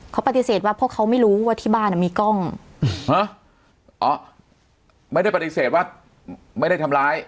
เขาปฏิเสธว่าเพราะเขาไม่รู้ว่าที่บ้านอ่ะมีกล้องฮะอ๋อไม่ได้ปฏิเสธว่าไม่ได้ทำร้าย